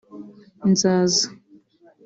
Nzaza